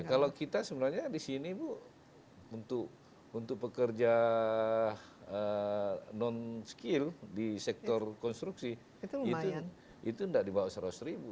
kalau kita sebenarnya di sini bu untuk pekerja non skill di sektor konstruksi itu tidak di bawah seratus ribu